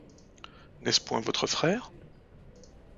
N'est-ce point votre frère?